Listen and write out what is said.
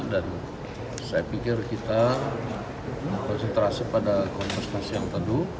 dan saya pikir kita konsentrasi pada konversasi yang tadu